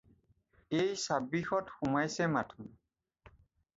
এই ছাব্বিশত সোমাইছে মাথোন।